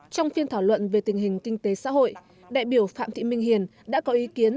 trong phiên thảo luận về tình hình kinh tế xã hội đại biểu phạm thị minh hiền đã có ý kiến